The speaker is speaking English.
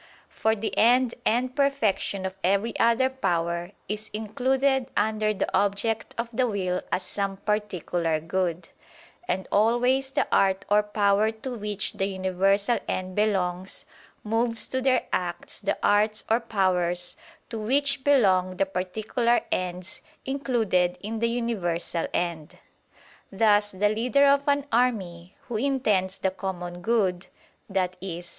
For the end and perfection of every other power, is included under the object of the will as some particular good: and always the art or power to which the universal end belongs, moves to their acts the arts or powers to which belong the particular ends included in the universal end. Thus the leader of an army, who intends the common good i.e.